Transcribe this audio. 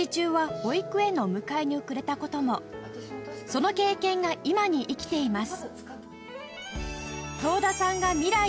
その経験が今に生きています